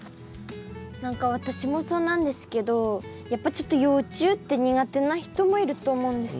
何か私もそうなんですけどやっぱちょっと幼虫って苦手な人もいると思うんですよ。